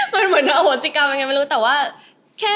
มันเหมือนอโหสิกรรมยังไงไม่รู้แต่ว่าแค่